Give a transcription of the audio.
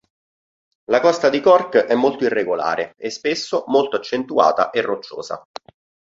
La costa di Cork è molto irregolare e, spesso, molto accentuata e rocciosa.